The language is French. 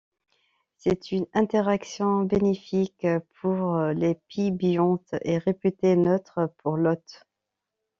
C’est une interaction bénéfique pour l’épibionte et réputée neutre pour l’hôte.